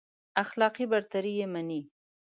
اخلاقي برتري يې مني.